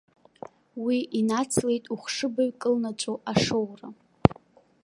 Уи инацлеит, ухшыбаҩ кылнаҵәо, ашоура.